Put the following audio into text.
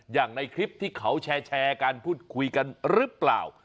อย่างในคลิปที่เขาแชร์กันพูดคุยกันหรือเปล่า